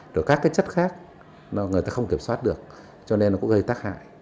rồi các chất khác người ta không kiểm soát được cho nên nó cũng gây tác hại